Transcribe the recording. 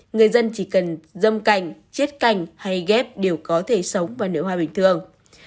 người dân chỉ cần dâm cành chết cành hay ghép đều có thể sống và nưa hoa bình thường